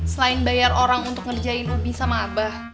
selain bayar orang untuk ngerjain ubi sama abah